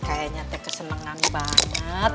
kayaknya teh kesenangan banget